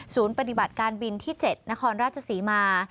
ปฏิบัติการบินที่๗นครราชศรีมา